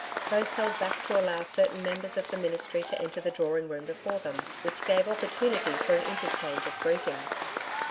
Both held back to allow certain Members of the Ministry to enter the drawing room before them, which gave opportunity for an interchange of greetings.